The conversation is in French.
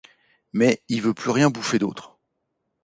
Mais y veut plus rien bouffer d’autre.